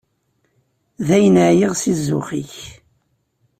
Dayen, ɛyiɣ si zzux-ik.